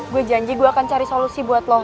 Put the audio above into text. gue janji gue akan cari solusi buat lo